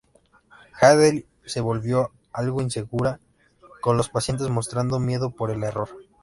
Hadley se volvió algo insegura con los pacientes, mostrando miedo por el error.